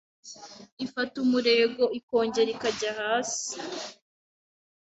ifata umurego ikongera ikajya hasi